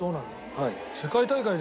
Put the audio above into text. はい。